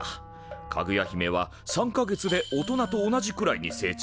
かぐや姫は３か月で大人と同じくらいに成長した。